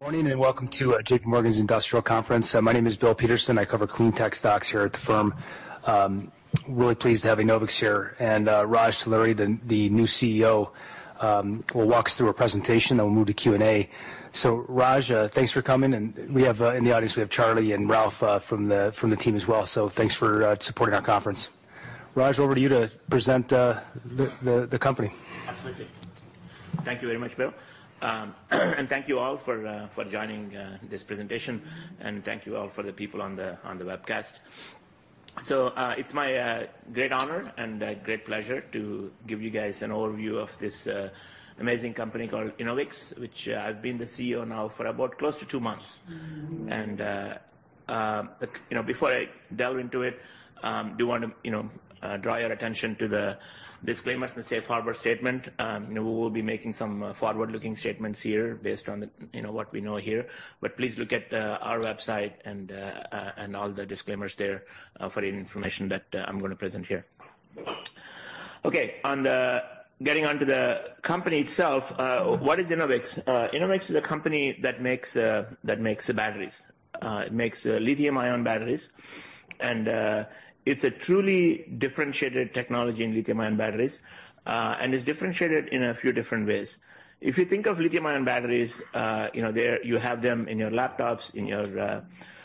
Morning, and welcome to JPMorgan's Industrial Conference. My name is Bill Peterson. I cover CleanTech stocks here at the firm. Really pleased to have Enovix here. Raj Talluri, the new CEO, will walk us through a presentation, then we'll move to Q&A. Raj, thanks for coming. We have in the audience, we have Charlie and Ralph from the team as well. Thanks for supporting our conference. Raj, over to you to present the company. Absolutely. Thank you very much, Bill. Thank you all for joining this presentation, and thank you all for the people on the webcast. It's my great honor and great pleasure to give you guys an overview of this amazing company called Enovix, which I've been the CEO now for about close to two months. You know, before I delve into it, do want to, you know, draw your attention to the disclaimers and safe harbor statement. You know, we will be making some forward-looking statements here based on, you know, what we know here. Please look at our website and all the disclaimers there for any information that I'm gonna present here. Okay. Getting onto the company itself, what is Enovix? Enovix is a company that makes batteries. It makes lithium-ion batteries. It's a truly differentiated technology in lithium-ion batteries. It's differentiated in a few different ways. If you think of lithium-ion batteries, you know, you have them in your laptops, in your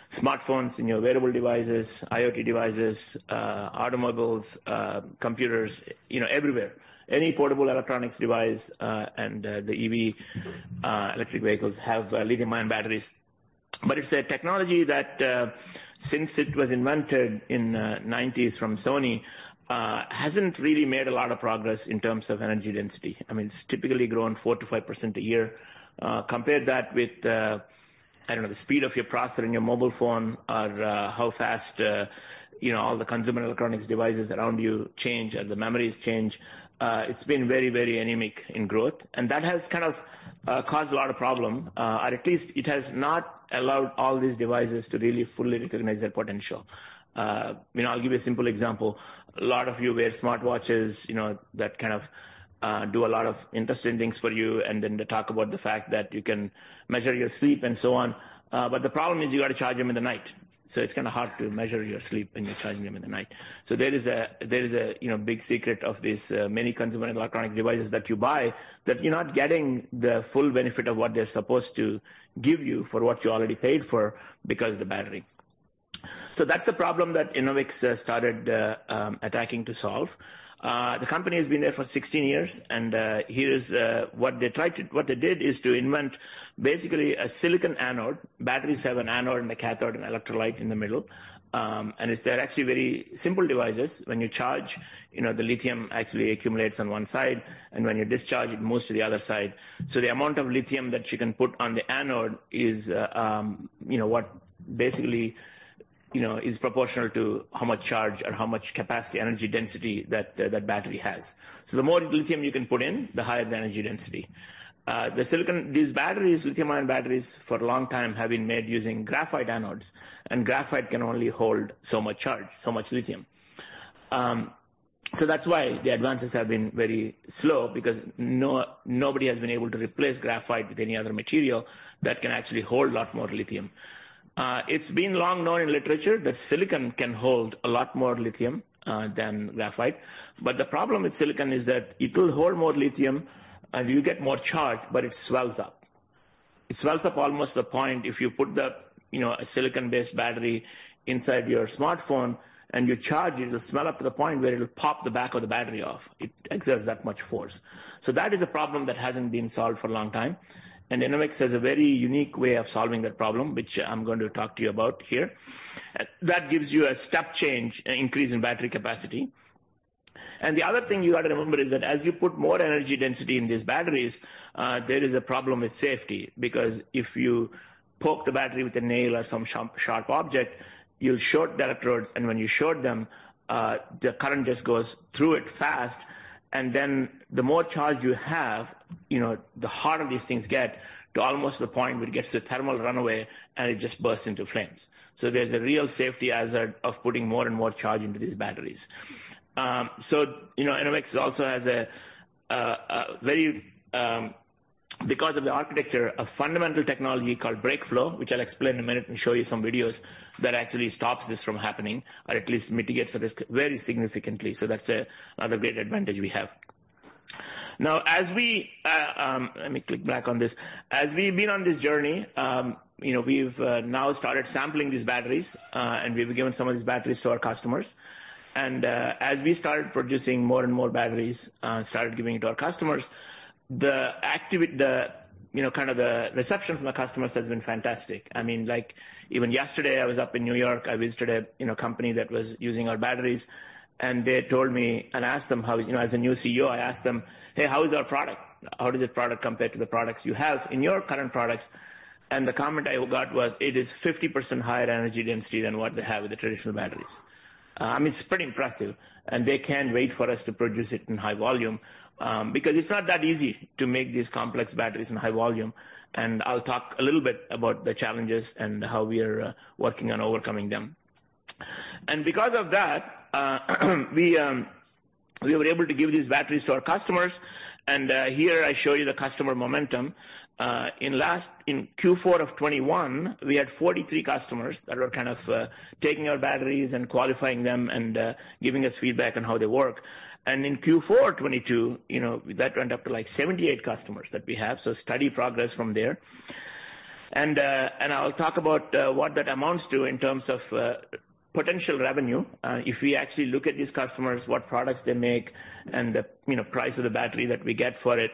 smartphones, in your wearable devices, IoT devices, automobiles, computers, you know, everywhere. Any portable electronics device, the EV, electric vehicles have lithium-ion batteries. It's a technology that since it was invented in the 1990s from Sony, hasn't really made a lot of progress in terms of energy density. I mean, it's typically grown 4%-5% a year. Compare that with, I don't know, the speed of your processor in your mobile phone or, how fast, you know, all the consumer electronics devices around you change or the memories change. It's been very, very anemic in growth. That has kind of caused a lot of problem. Or at least it has not allowed all these devices to really fully recognize their potential. You know, I'll give you a simple example. A lot of you wear smartwatches, you know, that kind of do a lot of interesting things for you, and then they talk about the fact that you can measure your sleep and so on. The problem is you got to charge them in the night. It's kind of hard to measure your sleep when you're charging them in the night. There is a, there is a, you know, big secret of these many consumer electronic devices that you buy, that you're not getting the full benefit of what they're supposed to give you for what you already paid for because the battery. That's the problem that Enovix started attacking to solve. The company has been there for 16 years, and here's what they did is to invent basically a silicon anode. Batteries have an anode and a cathode and electrolyte in the middle. And they're actually very simple devices. When you charge, you know, the lithium actually accumulates on one side, and when you discharge, it moves to the other side. The amount of lithium that you can put on the anode is, you know, what basically, you know, is proportional to how much charge or how much capacity energy density that battery has. The more lithium you can put in, the higher the energy density. These batteries, lithium-ion batteries, for a long time have been made using graphite anodes. Graphite can only hold so much charge, so much lithium. That's why the advances have been very slow because nobody has been able to replace graphite with any other material that can actually hold a lot more lithium. It's been long known in literature that silicon can hold a lot more lithium than graphite. The problem with silicon is that it will hold more lithium and you get more charge, but it swells up. It swells up almost to the point if you put the, you know, a silicon-based battery inside your smartphone and you charge it'll swell up to the point where it'll pop the back of the battery off. It exerts that much force. That is a problem that hasn't been solved for a long time. Enovix has a very unique way of solving that problem, which I'm going to talk to you about here. That gives you a step change increase in battery capacity. The other thing you gotta remember is that as you put more energy density in these batteries, there is a problem with safety because if you poke the battery with a nail or some sharp object, you'll short the electrodes. When you short them, the current just goes through it fast. The more charge you have, you know, the hotter these things get to almost to the point where it gets to thermal runaway and it just bursts into flames. There's a real safety hazard of putting more and more charge into these batteries. You know, Enovix also has a very, because of the architecture, a fundamental technology called BrakeFlow, which I'll explain in a minute and show you some videos, that actually stops this from happening or at least mitigates the risk very significantly. That's another great advantage we have. As we, let me click back on this. As we've been on this journey, you know, we've now started sampling these batteries and we've given some of these batteries to our customers. As we started producing more and more batteries, started giving it to our customers, the, you know, kind of the reception from the customers has been fantastic. I mean, like, even yesterday I was up in New York. I visited a, you know, company that was using our batteries, and asked them how, you know, as a new CEO I asked them, "Hey, how is our product? How does this product compare to the products you have in your current products?" The comment I got was, it is 50% higher energy density than what they have with the traditional batteries. I mean, it's pretty impressive and they can't wait for us to produce it in high volume, because it's not that easy to make these complex batteries in high volume. I'll talk a little bit about the challenges and how we are working on overcoming them. Because of that, we were able to give these batteries to our customers. Here I show you the customer momentum. In Q4 of 2021, we had 43 customers that were kind of, taking our batteries and qualifying them and giving us feedback on how they work. In Q4 2022, you know, that went up to like 78 customers that we have. Steady progress from there. I'll talk about what that amounts to in terms of potential revenue. If we actually look at these customers, what products they make and the, you know, price of the battery that we get for it,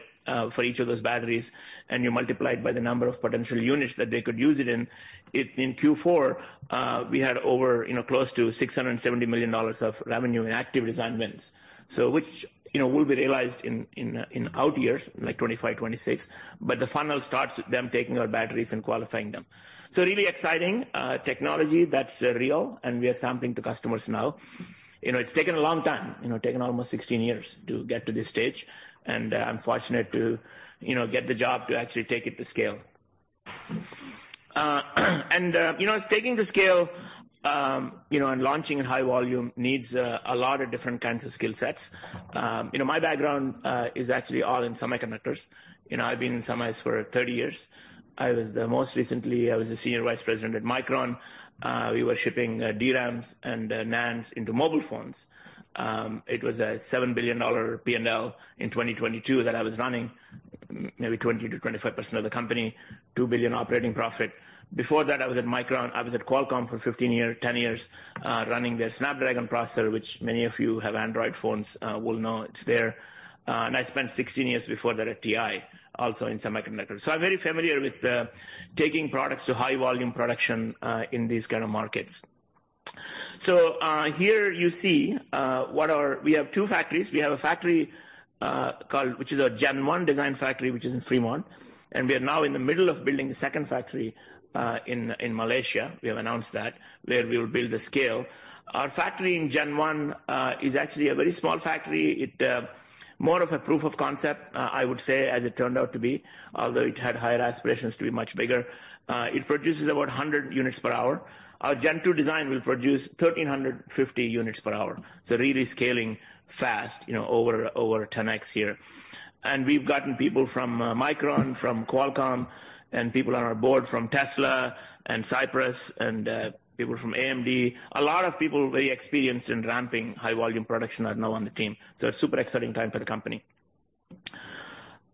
for each of those batteries, and you multiply it by the number of potential units that they could use it in, in Q4, we had over, you know, close to $670 million of revenue in active design wins. Which, you know, will be realized in, in out years, like 2025, 2026. The funnel starts with them taking our batteries and qualifying them. Really exciting technology that's real and we are sampling to customers now. You know, it's taken a long time, you know, taken almost 16 years to get to this stage, and I'm fortunate to, you know, get the job to actually take it to scale. You know, taking to scale, you know, and launching in high volume needs a lot of different kinds of skill sets. You know, my background is actually all in semiconductors. You know, I've been in semis for 30 years. Most recently, I was the Senior Vice President at Micron. We were shipping DRAMs and NANDs into mobile phones. It was a $7 billion P&L in 2022 that I was running. Maybe 20%-25% of the company, $2 billion operating profit. Before that, I was at Micron. I was at Qualcomm for 10 years, running their Snapdragon processor, which many of you have Android phones, will know it's there. I spent 16 years before that at TI, also in semiconductors. I'm very familiar with taking products to high volume production in these kind of markets. Here you see, we have two factories. We have a factory which is our Gen1 design factory, which is in Fremont, and we are now in the middle of building the second factory in Malaysia. We have announced that, where we will build the scale. Our factory in Gen1 is actually a very small factory. It, more of a proof of concept, I would say, as it turned out to be, although it had higher aspirations to be much bigger. It produces about 100 units per hour. Our Gen2 design will produce 1,350 units per hour. Really scaling fast, you know, over 10x here. We've gotten people from Micron, from Qualcomm, and people on our board from Tesla and Cypress and people from AMD. A lot of people very experienced in ramping high volume production are now on the team. A super exciting time for the company.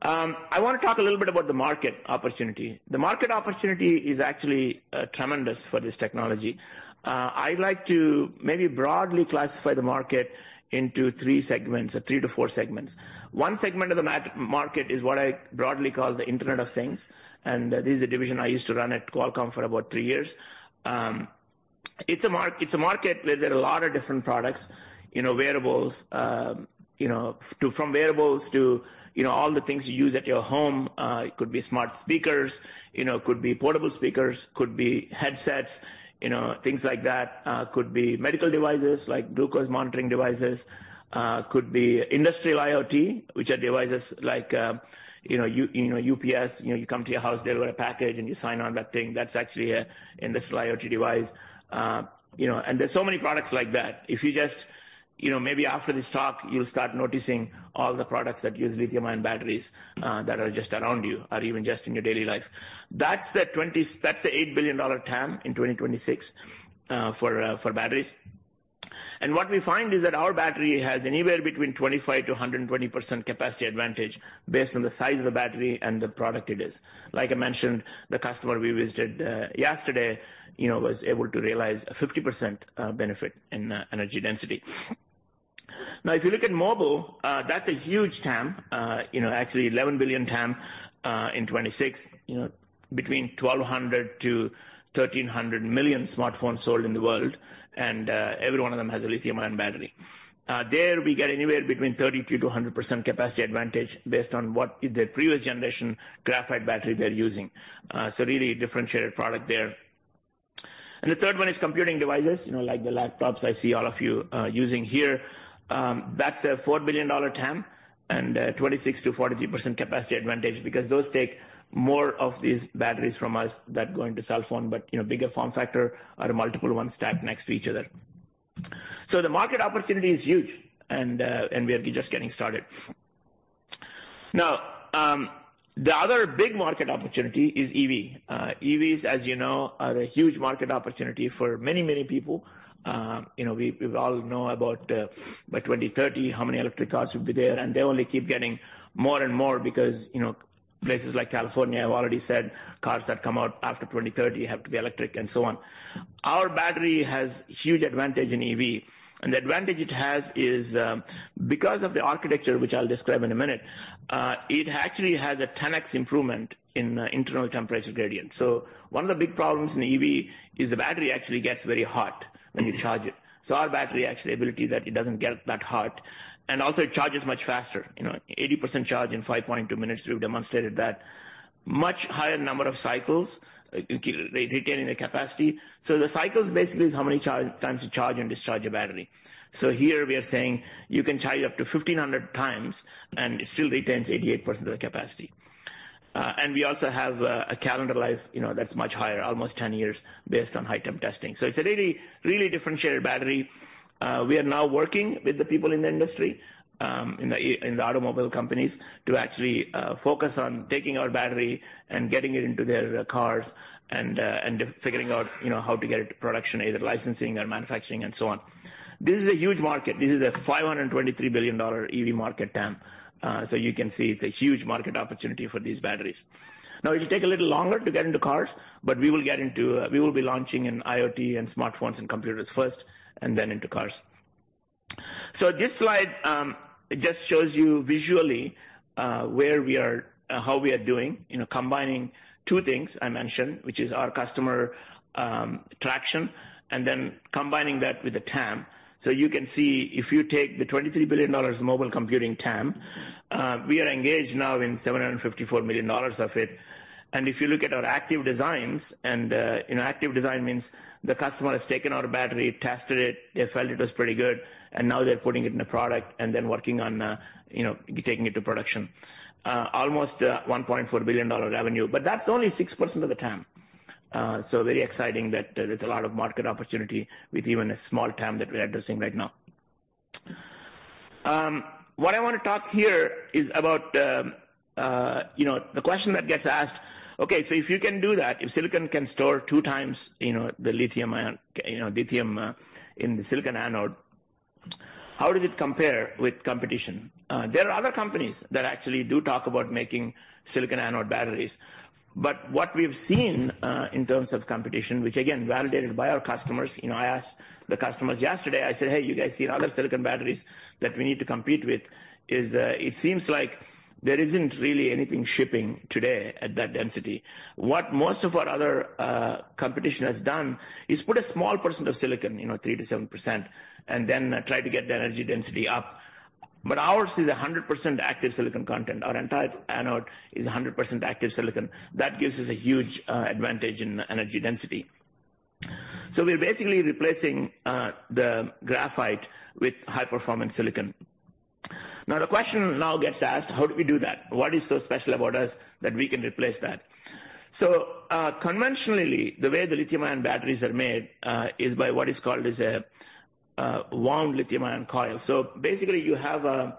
I want to talk a little bit about the market opportunity. The market opportunity is actually tremendous for this technology. I like to maybe broadly classify the market into three segments, or three to four segments. One segment of the market is what I broadly call the Internet of Things, and this is a division I used to run at Qualcomm for about three years. It's a market where there are a lot of different products. You know, wearables, you know, from wearables to, you know, all the things you use at your home. It could be smart speakers. You know, it could be portable speakers, could be headsets, you know, things like that. Could be medical devices like glucose monitoring devices. Could be industrial IoT, which are devices like, you know, UPS. You know, you come to your house, deliver a package, and you sign on that thing. That's actually an industrial IoT device. You know, there's so many products like that. If you just, you know, maybe after this talk, you'll start noticing all the products that use lithium-ion batteries that are just around you or even just in your daily life. That's an $8 billion TAM in 2026 for batteries. What we find is that our battery has anywhere between 25%-120% capacity advantage based on the size of the battery and the product it is. Like I mentioned, the customer we visited yesterday, you know, was able to realize a 50% benefit in energy density. If you look at mobile, that's a huge TAM. You know, actually $11 billion TAM in 2026. You know, between 1,200 million-1,300 million smartphones sold in the world. Every one of them has a lithium-ion battery. There we get anywhere between 32%-100% capacity advantage based on what is the previous generation graphite battery they're using. So really differentiated product there. The third one is computing devices. You know, like the laptops I see all of you using here. That's a $4 billion TAM and 26%-43% capacity advantage because those take more of these batteries from us that go into cell phone, but you know, bigger form factor or multiple ones stacked next to each other. The market opportunity is huge, and we are just getting started. Now, the other big market opportunity is EV. EVs, as you know, are a huge market opportunity for many, many people. You know, we all know about by 2030 how many electric cars will be there, and they only keep getting more and more because, you know, places like California have already said cars that come out after 2030 have to be electric and so on. Our battery has huge advantage in EV, the advantage it has is, because of the architecture, which I'll describe in a minute, it actually has a 10x improvement in internal temperature gradient. One of the big problems in EV is the battery actually gets very hot when you charge it. Our battery actually ability that it doesn't get that hot, and also it charges much faster. You know, 80% charge in 5.2 minutes, we've demonstrated that. Much higher number of cycles, retaining the capacity. The cycles basically is how many times you charge and discharge a battery. Here we are saying you can charge up to 1,500 times and it still retains 88% of the capacity. We also have, you know, a calendar life that's much higher, almost 10 years based on high temp testing. It's a really differentiated battery. We are now working with the people in the industry, in the automobile companies to actually focus on taking our battery and getting it into their cars and figuring out, you know, how to get it to production, either licensing or manufacturing and so on. This is a huge market. This is a $523 billion EV market TAM. You can see it's a huge market opportunity for these batteries. It'll take a little longer to get into cars, but we will be launching in IoT and smartphones and computers first and then into cars. This slide, it just shows you visually, where we are, how we are doing, you know, combining two things I mentioned, which is our customer traction and then combining that with the TAM. You can see if you take the $23 billion mobile computing TAM, we are engaged now in $754 million of it. If you look at our active designs and an active design means the customer has taken our battery, tested it, they felt it was pretty good, and now they're putting it in a product and then working on, you know, taking it to production. Almost $1.4 billion revenue, that's only 6% of the TAM. Very exciting that there's a lot of market opportunity with even a small TAM that we're addressing right now. What I wanna talk here is about, you know, the question that gets asked, okay, if you can do that, if silicon can store two times, you know, the lithium-ion, you know, lithium, in the silicon anode, how does it compare with competition? There are other companies that actually do talk about making silicon anode batteries. What we've seen, in terms of competition, which again validated by our customers, you know, I asked the customers yesterday, I said, "Hey, you guys seen other silicon batteries that we need to compete with?" It seems like there isn't really anything shipping today at that density. What most of our other competition has done is put a small % of silicon, you know, 3%-7% and then try to get the energy density up. Ours is 100% active silicon content. Our entire anode is 100% active silicon. That gives us a huge advantage in energy density. We're basically replacing the graphite with high-performance silicon. The question now gets asked, how do we do that? What is so special about us that we can replace that? Conventionally, the way the lithium-ion batteries are made is by what is called is a wound lithium-ion coil. Basically, you have a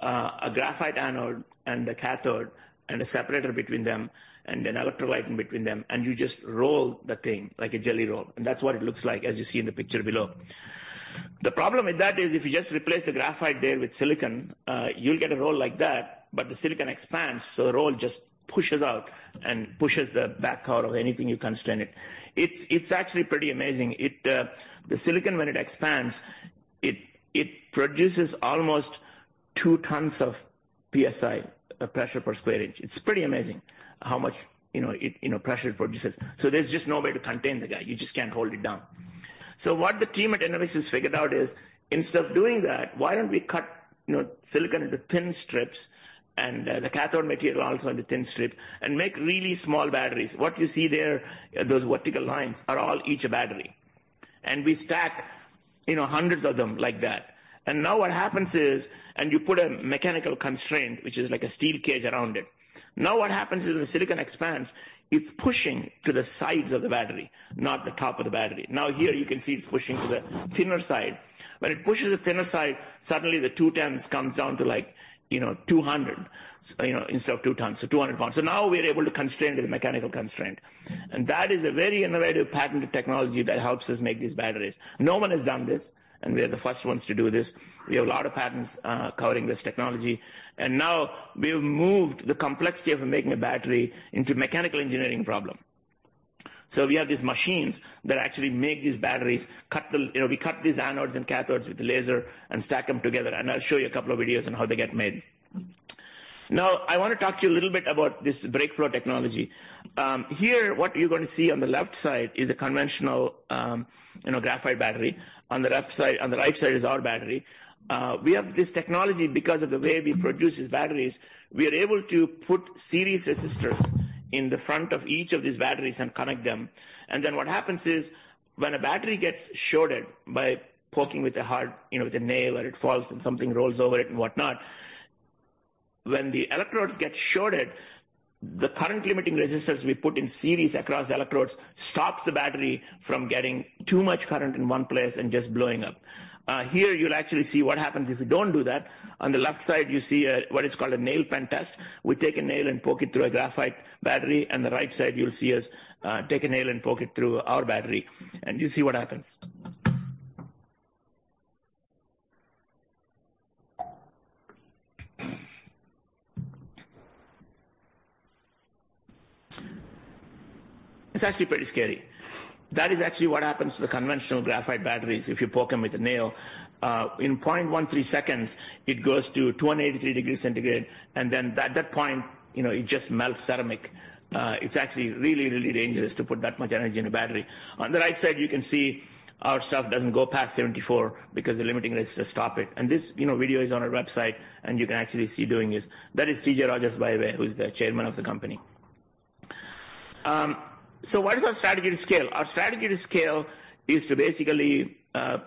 graphite anode and a cathode and a separator between them and an electrolyte in between them, and you just roll the thing like a jelly roll, and that's what it looks like as you see in the picture below. The problem with that is if you just replace the graphite there with silicon, you'll get a roll like that, but the silicon expands, so the roll just pushes out and pushes the back out of anything you constrain it. It's actually pretty amazing. It, the silicon, when it expands, it produces almost 2 tons of PSI pressure per square inch. It's pretty amazing how much, you know, it, you know, pressure it produces. There's just no way to contain the guy. You just can't hold it down. What the team at Enovix has figured out is instead of doing that, why don't we cut, you know, silicon into thin strips and the cathode material also into thin strip and make really small batteries. What you see there, those vertical lines are all each a battery. We stack, you know, hundreds of them like that. What happens is, you put a mechanical constraint, which is like a steel cage around it. Now, what happens is when the silicon expands, it's pushing to the sides of the battery, not the top of the battery. Now here you can see it's pushing to the thinner side. When it pushes the thinner side, suddenly the 2 tons comes down to like, you know, 200, you know, instead of 2 tons 200 pounds. Now we are able to constrain with the mechanical constraint. That is a very innovative patented technology that helps us make these batteries. No one has done this and we are the first ones to do this. We have a lot of patents covering this technology. Now we have moved the complexity of making a battery into a mechanical engineering problem. We have these machines that actually make these batteries, cut the, you know, we cut these anodes and cathodes with the laser and stack them together. I'll show you a couple of videos on how they get made. Now, I wanna talk to you a little bit about this BrakeFlow technology. Here, what you're gonna see on the left side is a conventional, you know, graphite battery. On the right side is our battery. We have this technology because of the way we produce these batteries, we are able to put series resistors in the front of each of these batteries and connect them. What happens is, when a battery gets shorted by poking with a hard, you know, with a nail, or it falls and something rolls over it and whatnot, when the electrodes get shorted, the current limiting resistors we put in series across the electrodes stops the battery from getting too much current in one place and just blowing up. Here you'll actually see what happens if you don't do that. On the left side, you see what is called a nail penetration test. We take a nail and poke it through a graphite battery. On the right side, you'll see us take a nail and poke it through our battery and you see what happens. It's actually pretty scary. That is actually what happens to the conventional graphite batteries if you poke them with a nail. In 0.13 seconds, it goes to 283 degrees Celsius, and then at that point, you know, it just melts ceramic. It's actually really, really dangerous to put that much energy in a battery. On the right side, you can see our stuff doesn't go past 74 because the limiting resistors stop it. This, you know, video is on our website, and you can actually see doing this. That is T.J. Rodgers, by the way, who's the chairman of the company. What is our strategy to scale? Our strategy to scale is to basically,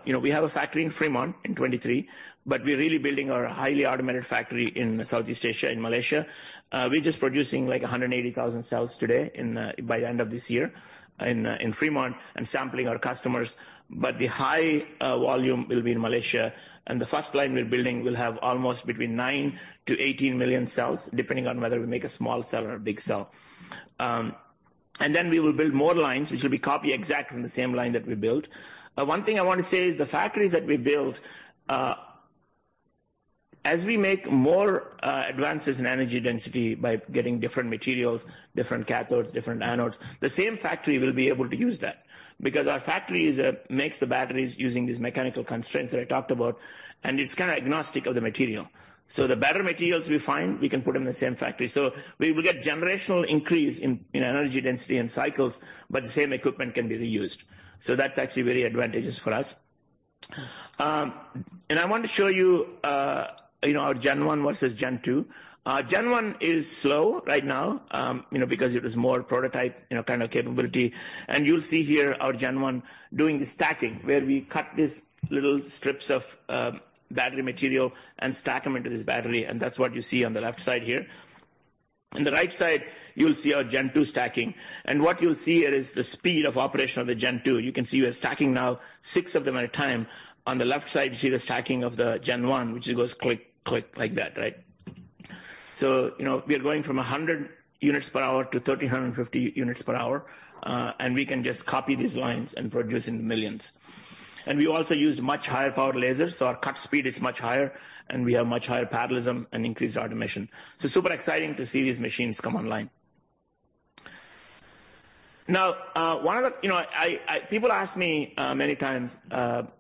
you know, we have a factory in Fremont in 2023, but we're really building our highly automated factory in Southeast Asia, in Malaysia. We're just producing like 180,000 cells today by the end of this year in Fremont and sampling our customers. The high volume will be in Malaysia. The first line we're building will have almost between 9 million-18 million cells, depending on whether we make a small cell or a big cell. We will build more lines, which will be copy exact from the same line that we built. One thing I wanna say is the factories that we build, as we make more advances in energy density by getting different materials, different cathodes, different anodes, the same factory will be able to use that because our factory is makes the batteries using these mechanical constraints that I talked about, and it's kind of agnostic of the material. The better materials we find, we can put them in the same factory. We will get generational increase in energy density and cycles, but the same equipment can be reused. That's actually very advantageous for us. I want to show you know, our Gen1 versus Gen2. Gen1 is slow right now, you know, because it is more prototype, you know, kind of capability. You'll see here our Gen1 doing the stacking, where we cut these little strips of battery material and stack them into this battery, and that's what you see on the left side here. On the right side, you'll see our Gen2 stacking. What you'll see here is the speed of operation of the Gen2. You can see we're stacking now six of them at a time. On the left side, you see the stacking of the Gen1, which it goes click like that, right? You know, we are going from 100 units per hour to 1,350 units per hour. We can just copy these lines and produce in millions. We also used much higher power lasers, so our cut speed is much higher, and we have much higher parallelism and increased automation. Super exciting to see these machines come online. Now, one of the, You know, People ask me many times,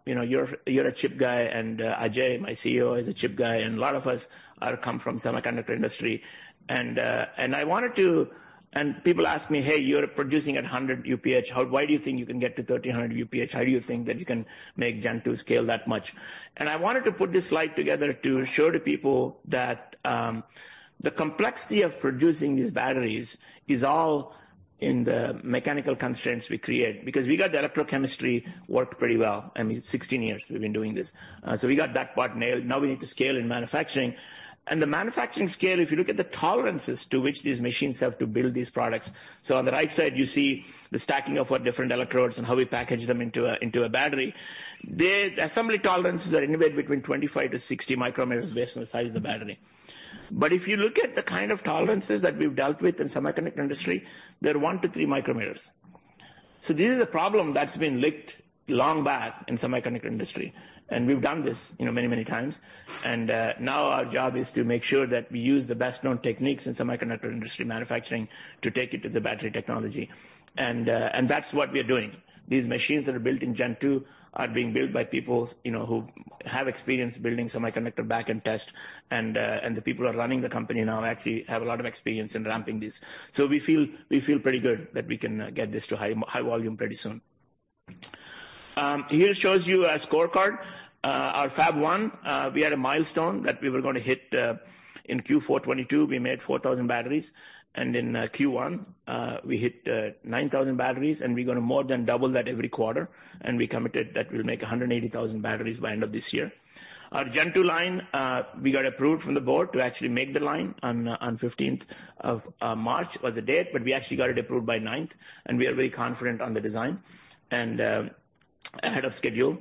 you know, "You're, you're a chip guy, and Ajay, my CEO, is a chip guy, and a lot of us are come from semiconductor industry." People ask me, "Hey, you're producing at 100 UPH. Why do you think you can get to 1,300 UPH? How do you think that you can make Gen2 scale that much?" I wanted to put this slide together to show to people that the complexity of producing these batteries is all in the mechanical constraints we create. We got the electrochemistry worked pretty well. I mean, 16 years we've been doing this. We got that part nailed. Now we need to scale in manufacturing. The manufacturing scale, if you look at the tolerances to which these machines have to build these products. On the right side, you see the stacking of what different electrodes and how we package them into a battery. The assembly tolerances are anywhere between 25 micrometers-60 micrometers based on the size of the battery. If you look at the kind of tolerances that we've dealt with in semiconductor industry, they're 1 micrometer-3 micrometers. This is a problem that's been licked long back in semiconductor industry, and we've done this, you know, many, many times. Now our job is to make sure that we use the best-known techniques in semiconductor industry manufacturing to take it to the battery technology. That's what we are doing. These machines that are built in Gen2 are being built by people, you know, who have experience building semiconductor back-end and test. The people who are running the company now actually have a lot of experience in ramping this. We feel pretty good that we can get this to high volume pretty soon. Here shows you a scorecard. Our Fab1, we had a milestone that we were gonna hit in Q4 2022. We made 4,000 batteries, and in Q1, we hit 9,000 batteries, and we're gonna more than double that every quarter. We committed that we'll make 180,000 batteries by end of this year. Our Gen2 line, we got approved from the board to actually make the line on 15th of March was the date, but we actually got it approved by 9th, and we are very confident on the design and ahead of schedule.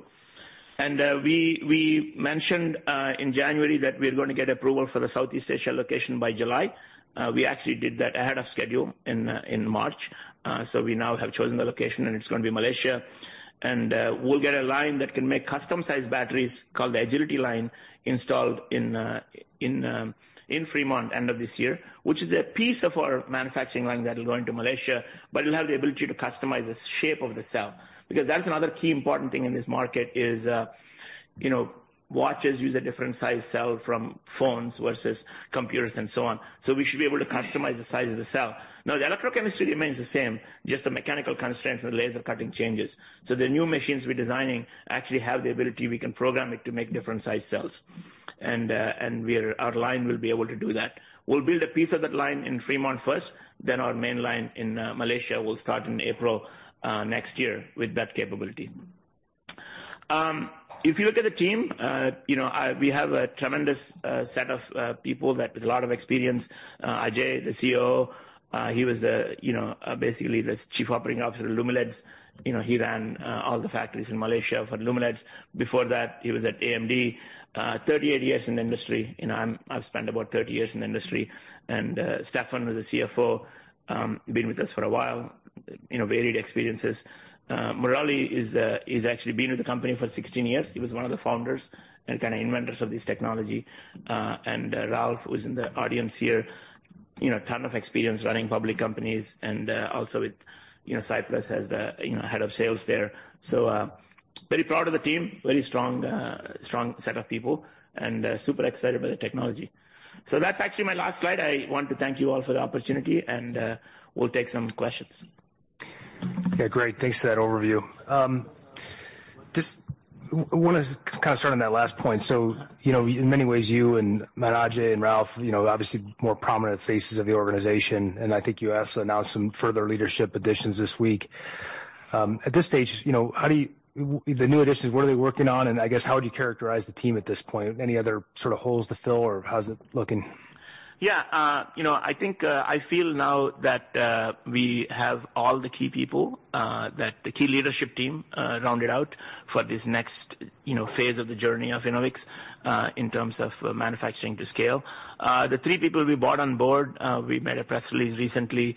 We mentioned in January that we're gonna get approval for the Southeast Asia location by July. We actually did that ahead of schedule in March. We now have chosen the location, and it's gonna be Malaysia. We'll get a line that can make custom-sized batteries called the Agility Line installed in Fremont end of this year, which is a piece of our manufacturing line that will go into Malaysia, but it'll have the ability to customize the shape of the cell. That's another key important thing in this market is, you know, watches use a different sized cell from phones versus computers and so on. We should be able to customize the size of the cell. The electrochemistry remains the same, just the mechanical constraints for the laser cutting changes. The new machines we're designing actually have the ability, we can program it to make different sized cells. Our line will be able to do that. We'll build a piece of that line in Fremont first, then our main line in Malaysia will start in April next year with that capability. If you look at the team, you know, we have a tremendous set of people that with a lot of experience. Ajay, the CEO, he was, you know, basically this Chief Operating Officer at Lumileds. You know, he ran all the factories in Malaysia for Lumileds. Before that, he was at AMD. 38 years in the industry. You know, I've spent about 30 years in the industry. Stefan, who's the CFO, been with us for a while, you know, varied experiences. Murali is actually been with the company for 16 years. He was one of the founders and kinda inventors of this technology. Ralph, who's in the audience here, you know, ton of experience running public companies and also with, you know, Cypress as the, you know, head of sales there. Very proud of the team, very strong set of people and super excited by the technology. That's actually my last slide. I want to thank you all for the opportunity and, we'll take some questions. Okay, great. Thanks for that overview. Just wanna kinda start on that last point. You know, in many ways, you and Ajay Marathe and Ralph, you know, obviously more prominent faces of the organization, and I think you also announced some further leadership additions this week. At this stage, you know, the new additions, what are they working on? I guess, how would you characterize the team at this point? Any other sorta holes to fill, or how's it looking? Yeah, you know, I think, I feel now that we have all the key people, that the key leadership team, rounded out for this next, you know, phase of the journey of Enovix, in terms of manufacturing to scale. The three people we brought on board, we made a press release recently.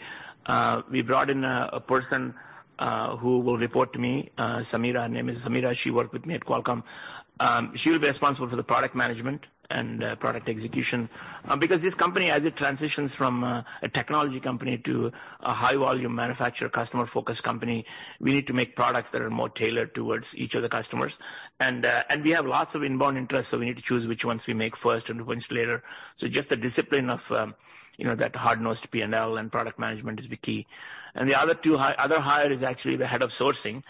We brought in a person, who will report to me, Samira. Her name is Samira. She worked with me at Qualcomm. She will be responsible for the product management and product execution. This company, as it transitions from a technology company to a high volume manufacturer customer-focused company, we need to make products that are more tailored towards each of the customers. We have lots of inbound interest, so we need to choose which ones we make first and which later. Just the discipline of, you know, that hard-nosed P&L and product management is the key. The other hire is actually the head of sourcing.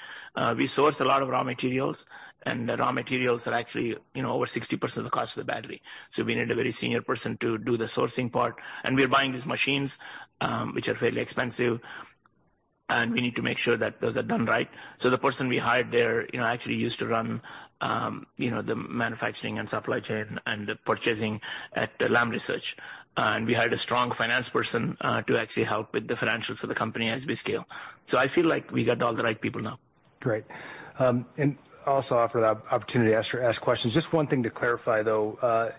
We source a lot of raw materials, and the raw materials are actually, you know, over 60% of the cost of the battery. We need a very senior person to do the sourcing part. We are buying these machines, which are fairly expensive, and we need to make sure that those are done right. The person we hired there, you know, actually used to run, you know, the manufacturing and supply chain and the purchasing at Lam Research. We hired a strong finance person, to actually help with the financials of the company as we scale. I feel like we got all the right people now. Great. Also offer the opportunity to ask questions. Just one thing to clarify, though.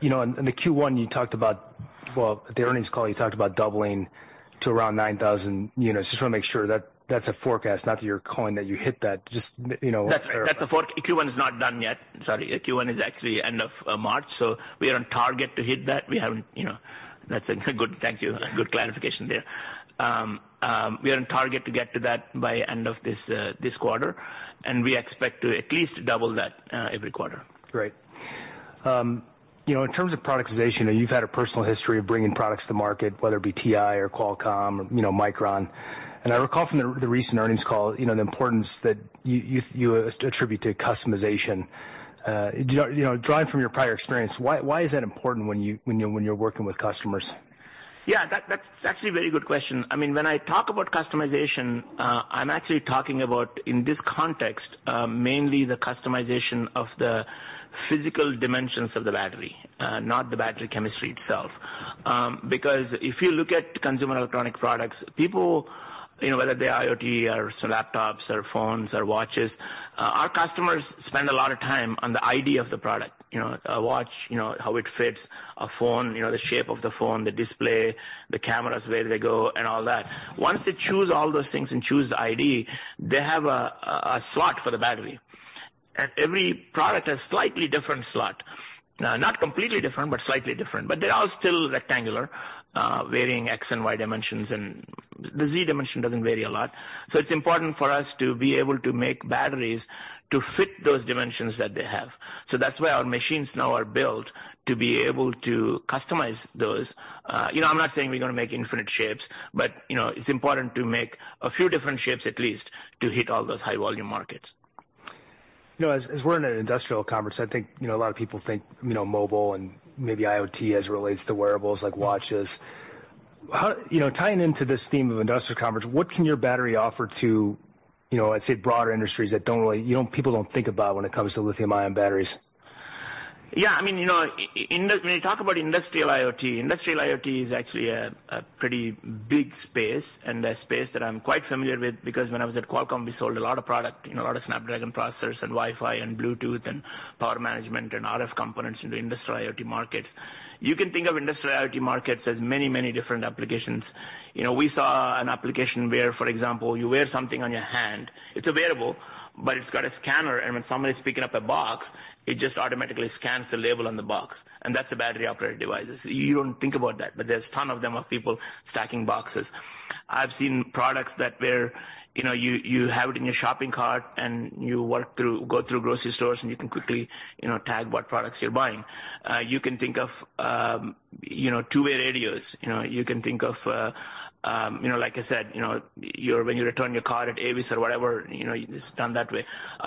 you know, in the Q1, at the earnings call, you talked about doubling to around 9,000 units. Just wanna make sure that that's a forecast, not that you're calling that you hit that. Just, you know. That's Q1 is not done yet. Sorry. Q1 is actually end of March, so we are on target to hit that. We haven't, you know. That's a good thank you. Good clarification there. We are on target to get to that by end of this quarter, and we expect to at least double that every quarter. Great. you know, in terms of productization, you've had a personal history of bringing products to market, whether it be TI or Qualcomm or, you know, Micron. I recall from the recent earnings call, you know, the importance that you attribute to customization. do you know, you know, drawing from your prior experience, why is that important when you're working with customers? Yeah, that's actually a very good question. I mean, when I talk about customization, I'm actually talking about, in this context, mainly the customization of the physical dimensions of the battery, not the battery chemistry itself. If you look at consumer electronic products, people, you know, whether they're IoT or laptops or phones or watches, our customers spend a lot of time on the ID of the product. You know, a watch, you know, how it fits. A phone, you know, the shape of the phone, the display, the cameras, where they go and all that. Once they choose all those things and choose the ID, they have a slot for the battery. Every product has slightly different slot. Not completely different, but slightly different. They're all still rectangular, varying X and Y dimensions, and the Z dimension doesn't vary a lot. It's important for us to be able to make batteries to fit those dimensions that they have. That's why our machines now are built to be able to customize those. You know, I'm not saying we're gonna make infinite shapes, but, you know, it's important to make a few different shapes at least to hit all those high volume markets. You know, as we're in an industrial conference, I think, you know, a lot of people think, you know, mobile and maybe IoT as it relates to wearables like watches. You know, tying into this theme of industrial conference, what can your battery offer to, you know, I'd say broader industries that don't really, people don't think about when it comes to lithium-ion batteries? Yeah. I mean, you know, when you talk about industrial IoT, industrial IoT is actually a pretty big space, and a space that I'm quite familiar with because when I was at Qualcomm, we sold a lot of product, you know, a lot of Snapdragon processors and Wi-Fi and Bluetooth and power management and RF components into industrial IoT markets. You can think of industrial IoT markets as many different applications. You know, we saw an application where, for example, you wear something on your hand. It's available, but it's got a scanner, and when somebody's picking up a box, it just automatically scans the label on the box, and that's a battery-operated device. You don't think about that, but there's ton of them of people stacking boxes. I've seen products that where, you know, you have it in your shopping cart and you work through, go through grocery stores and you can quickly, you know, tag what products you're buying. You can think of, you know, two-way radios. You can think of, you know, like I said, you know, when you return your car at Avis or whatever, you know, it's done that way.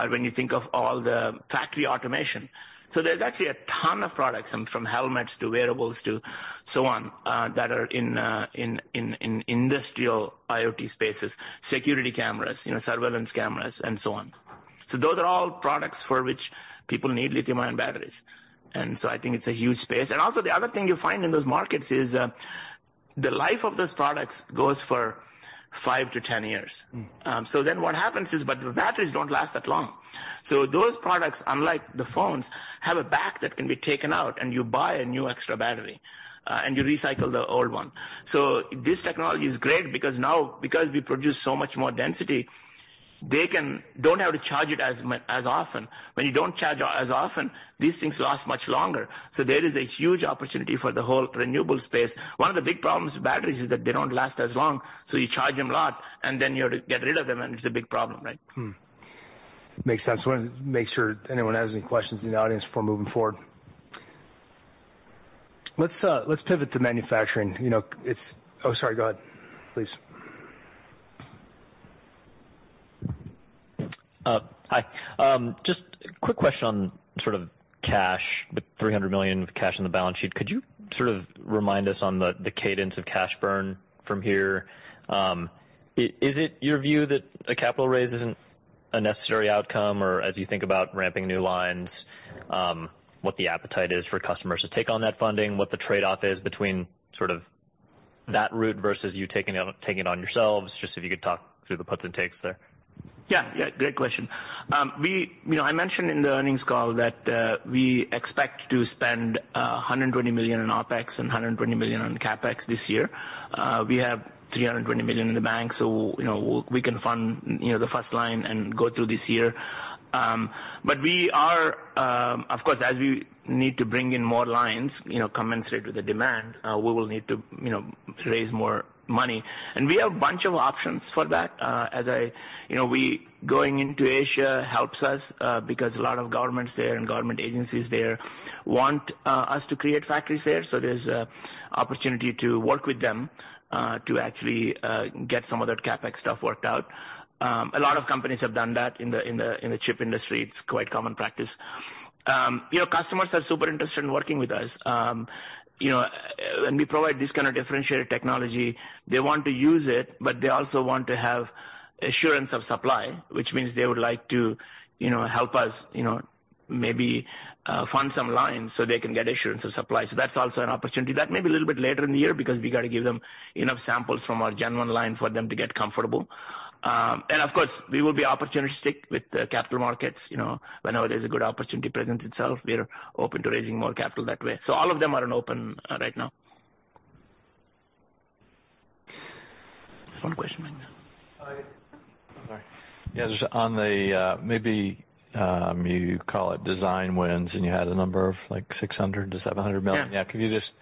When you think of all the factory automation. There's actually a ton of products, from helmets to wearables to so on, that are in industrial IoT spaces. Security cameras, you know, surveillance cameras and so on. Those are all products for which people need lithium-ion batteries. I think it's a huge space. Also the other thing you find in those markets is, the life of those products goes for five to 10 years. Mm. What happens is, but the batteries don't last that long. Those products, unlike the phones, have a back that can be taken out and you buy a new extra battery, and you recycle the old one. This technology is great because now, because we produce so much more density, they don't have to charge it as often. When you don't charge as often, these things last much longer. There is a huge opportunity for the whole renewable space. One of the big problems with batteries is that they don't last as long, so you charge them a lot, and then you have to get rid of them, and it's a big problem, right? Hmm. Makes sense. Wanna make sure anyone has any questions in the audience before moving forward. Let's pivot to manufacturing. You know, it's Oh, sorry, go ahead, please. Hi. Just quick question on sort of cash, the $300 million of cash on the balance sheet. Could you sort of remind us on the cadence of cash burn from here? Is it your view that a capital raise isn't a necessary outcome? As you think about ramping new lines, what the appetite is for customers to take on that funding, what the trade-off is between sort of that route versus you taking it on yourselves, just if you could talk through the puts and takes there. Yeah. Yeah, great question. You know, I mentioned in the earnings call that we expect to spend $120 million in OpEx and $120 million on CapEx this year. We have $320 million in the bank, you know, we can fund, you know, the first line and go through this year. We are, of course, as we need to bring in more lines, you know, commensurate with the demand, we will need to, you know, raise more money. We have a bunch of options for that. You know, going into Asia helps us because a lot of governments there and government agencies there want us to create factories there. There's an opportunity to work with them, to actually get some of that CapEx stuff worked out. A lot of companies have done that in the chip industry. It's quite common practice. You know, customers are super interested in working with us. You know, when we provide this kind of differentiated technology, they want to use it, but they also want to have assurance of supply, which means they would like to, you know, help us, you know, maybe fund some lines so they can get assurance of supply. That's also an opportunity. That may be a little bit later in the year because we gotta give them enough samples from our Gen1 line for them to get comfortable. Of course, we will be opportunistic with the capital markets. You know, whenever there's a good opportunity presents itself, we are open to raising more capital that way. All of them are on open, right now. There's one question right now. Hi. Sorry. Yes. On the maybe you call it design wins, and you had a number of, like, $600 million-$700 million. Yeah. Yeah. Could you just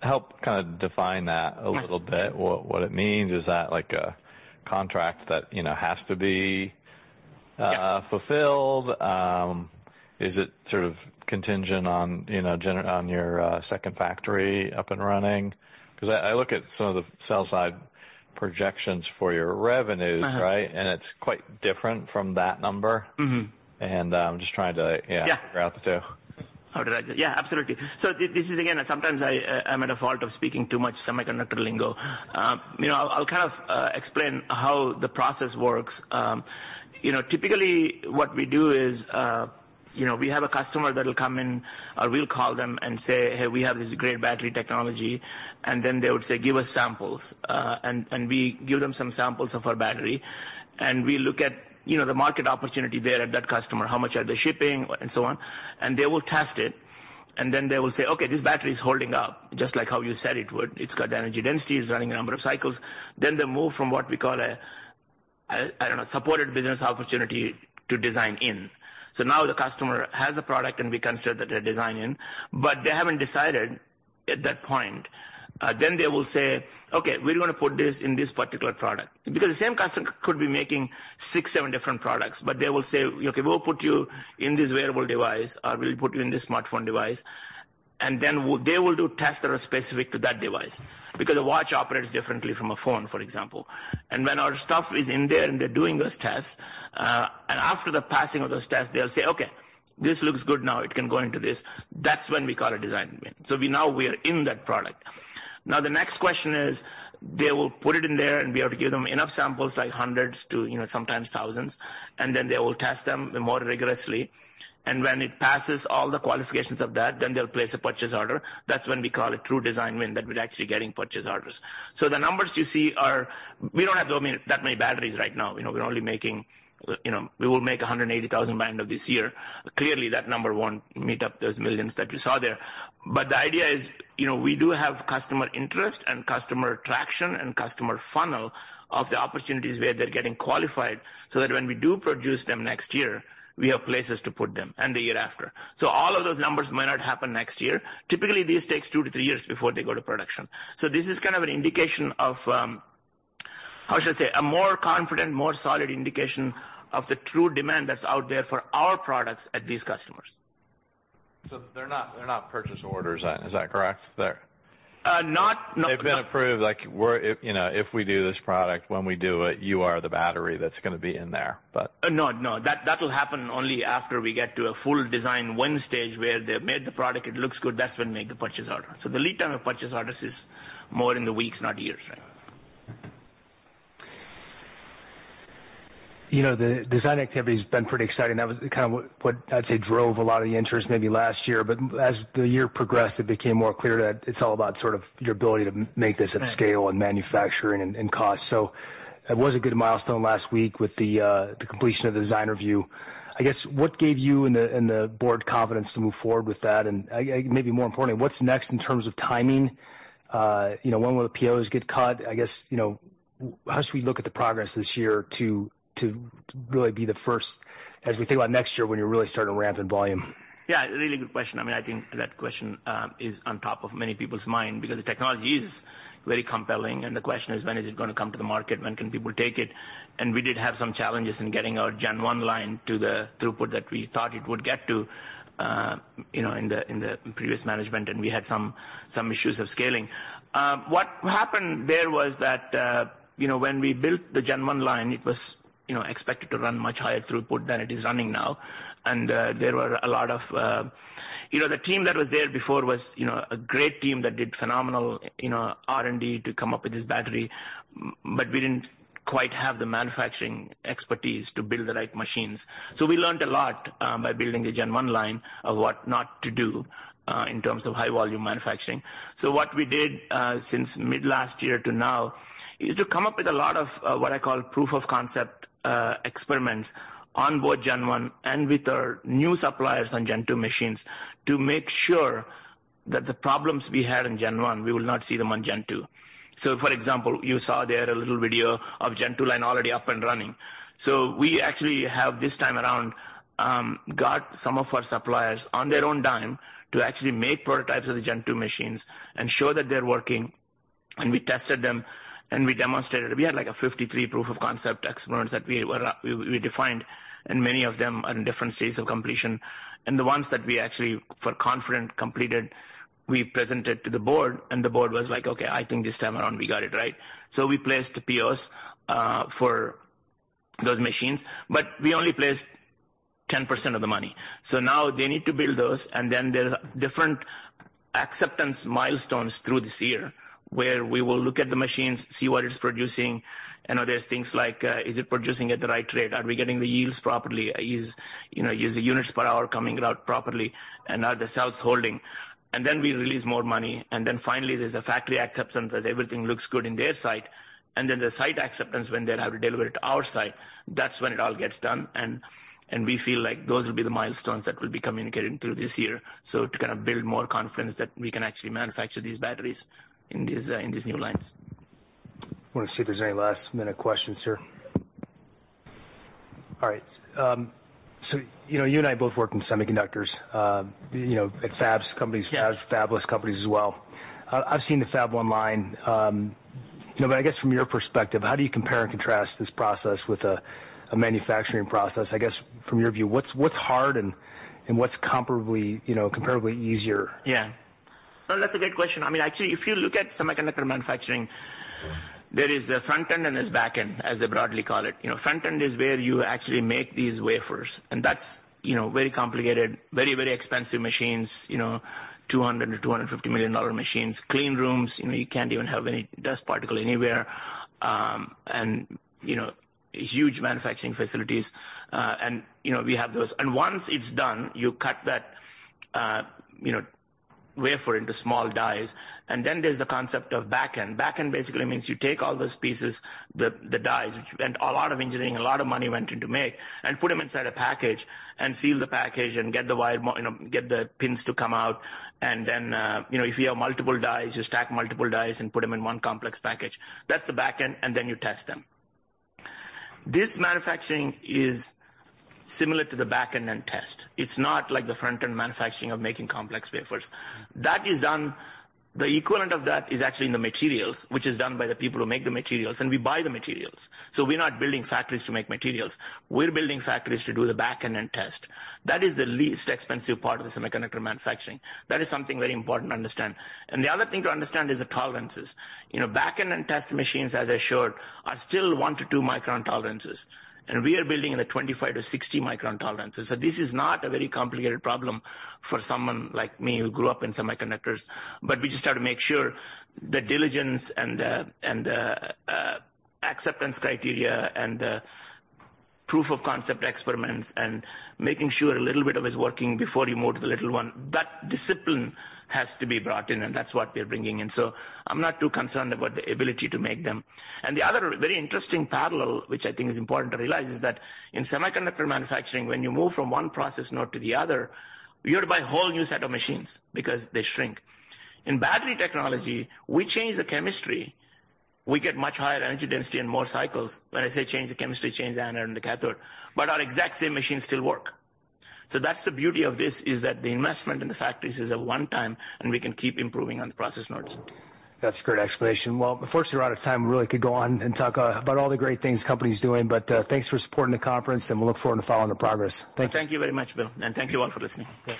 help kind of define that a little bit? Yeah. What it means. Is that like a contract that, you know, has to be? Yeah. fulfilled? Is it sort of contingent on, you know, on your, second factory up and running? I look at some of the sell side projections for your revenues- Mm-hmm. Right? It's quite different from that number. Mm-hmm. I'm just trying to. Yeah. figure out the two. How to write it. Yeah, absolutely. This is again, sometimes I'm at a fault of speaking too much semiconductor lingo. You know, I'll kind of explain how the process works. You know, typically what we do is, you know, we have a customer that'll come in, or we'll call them and say, "Hey, we have this great battery technology." Then they would say, "Give us samples." And we give them some samples of our battery, and we look at, you know, the market opportunity there at that customer, how much are they shipping and so on. They will test it, and then they will say, "Okay, this battery is holding up just like how you said it would. It's got the energy density, it's running a number of cycles. They move from what we call a, I don't know, supported business opportunity to design-in. Now the customer has a product, and we consider that a design-in, but they haven't decided at that point. They will say, "Okay, we're gonna put this in this particular product." Because the same customer could be making six, seven different products, but they will say, "Okay, we'll put you in this wearable device," or, "We'll put you in this smartphone device." They will do tests that are specific to that device because a watch operates differently from a phone, for example. When our stuff is in there and they're doing those tests, and after the passing of those tests, they'll say, "Okay, this looks good now. It can go into this." That's when we call a design win. We now are in that product. Now, the next question is, they will put it in there and be able to give them enough samples, like hundreds to, you know, sometimes thousands, and then they will test them more rigorously. When it passes all the qualifications of that, then they'll place a purchase order. That's when we call it true design win, that we're actually getting purchase orders. The numbers you see are. We don't have that many batteries right now. You know, we're only making, you know, we will make 180,000 by end of this year. Clearly, that number won't meet up those millions that you saw there. The idea is, you know, we do have customer interest and customer traction and customer funnel of the opportunities where they're getting qualified, so that when we do produce them next year, we have places to put them, and the year after. All of those numbers might not happen next year. Typically, this takes two to three years before they go to production. This is kind of an indication of, how should I say? A more confident, more solid indication of the true demand that's out there for our products at these customers. They're not purchase orders, then. Is that correct there? Uh, not They've been approved, like we're, you know, if we do this product when we do it, you are the battery that's gonna be in there, but. No, no. That will happen only after we get to a full design win stage where they've made the product, it looks good. That's when we make the purchase order. The lead time of purchase orders is more in the weeks, not years. Right. You know, the design activity's been pretty exciting. That was kind of what I'd say drove a lot of the interest maybe last year. As the year progressed, it became more clear that it's all about sort of your ability to make this at scale and manufacturing and cost. It was a good milestone last week with the completion of the design review. I guess, what gave you and the board confidence to move forward with that? Maybe more importantly, what's next in terms of timing? You know, when will the POs get cut? I guess, how should we look at the progress this year to really be the first as we think about next year when you're really starting to ramp in volume? Yeah, really good question. I mean, I think that question is on top of many people's mind because the technology is very compelling, and the question is, when is it gonna come to the market? When can people take it? We did have some challenges in getting our Gen1 line to the throughput that we thought it would get to, you know, in the previous management, and we had some issues of scaling. What happened there was that, you know, when we built the Gen1 line, it was, you know, expected to run much higher throughput than it is running now. There were a lot of. You know, the team that was there before was, you know, a great team that did phenomenal, you know, R&D to come up with this battery, but we didn't quite have the manufacturing expertise to build the right machines. We learned a lot by building the Gen1 line of what not to do in terms of high volume manufacturing. What we did since mid last year to now is to come up with a lot of what I call proof of concept experiments on both Gen1 and with our new suppliers on Gen2 machines to make sure that the problems we had in Gen1, we will not see them on Gen2. For example, you saw there a little video of Gen2 line already up and running. We actually have this time around, got some of our suppliers on their own dime to actually make prototypes of the Gen2 machines and show that they're working, and we tested them, and we demonstrated. We had like a 53 proof of concept experiments that we defined, and many of them are in different stages of completion. The ones that we actually feel confident completed, we presented to the board, and the board was like, "Okay, I think this time around we got it right." We placed POs for those machines, but we only placed 10% of the money. Now they need to build those, and then there's different acceptance milestones through this year where we will look at the machines, see what it's producing. I know there's things like, is it producing at the right rate? Are we getting the yields properly? Is, you know, the units per hour coming out properly? Are the cells holding? Then we release more money. Then finally, there's a factory acceptance as everything looks good in their site. Then the site acceptance when they have delivered to our site, that's when it all gets done. We feel like those will be the milestones that will be communicated through this year. To kind of build more confidence that we can actually manufacture these batteries in these new lines. I wanna see if there's any last-minute questions here. All right. You know, you and I both worked in semiconductors, you know, at fabs companies. Yeah. as fabless companies as well. I've seen the Fab1 line. You know, I guess from your perspective, how do you compare and contrast this process with a manufacturing process? I guess from your view, what's hard and what's comparably, you know, comparably easier? Yeah. No, that's a great question. I mean, actually, if you look at semiconductor manufacturing, there is a front-end and there's back-end, as they broadly call it. front-end is where you actually make these wafers, and that's very complicated, very expensive machines, $200 million-$250 million machines. Clean rooms, you can't even have any dust particle anywhere. Huge manufacturing facilities. We have those. Once it's done, you cut that wafer into small dies. Then there's the concept of back-end. Back-end basically means you take all those pieces, the dies, which went a lot of engineering, a lot of money went in to make, and put them inside a package and seal the package and get the wire, you know, get the pins to come out. Then, you know, if you have multiple dies, you stack multiple dies and put them in one complex package. That's the back-end, and then you test them. This manufacturing is similar to the back-end and test. It's not like the front-end manufacturing of making complex wafers. That is done. The equivalent of that is actually in the materials, which is done by the people who make the materials, and we buy the materials. We're not building factories to make materials. We're building factories to do the back-end and test. That is the least expensive part of the semiconductor manufacturing. That is something very important to understand. The other thing to understand is the tolerances. You know, back-end and test machines, as I showed, are still 1 to 2 micron tolerances. We are building in the 25 to 60 micron tolerances. This is not a very complicated problem for someone like me who grew up in semiconductors, but we just have to make sure the diligence and the acceptance criteria and the proof of concept experiments and making sure a little bit of it is working before you move to the little one. That discipline has to be brought in, and that's what we're bringing in. I'm not too concerned about the ability to make them. The other very interesting parallel, which I think is important to realize, is that in semiconductor manufacturing, when you move from one process node to the other, you gotta buy a whole new set of machines because they shrink. In battery technology, we change the chemistry, we get much higher energy density and more cycles. When I say change the chemistry, change the anode and the cathode, but our exact same machines still work. That's the beauty of this, is that the investment in the factories is a one-time, and we can keep improving on the process nodes. That's a great explanation. Well, unfortunately, we're out of time. We really could go on and talk about all the great things company's doing. Thanks for supporting the conference, and we look forward to following the progress. Thank you. Thank you very much, Bill. Thank you all for listening. Yeah.